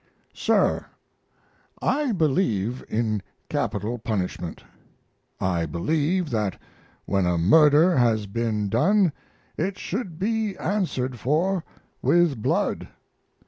SIR, I believe in capital punishment. I believe that when a murder has been done it should be answered for with blood.